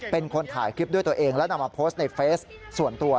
เป็นคนถ่ายคลิปด้วยตัวเองและนำมาโพสต์ในเฟสส่วนตัว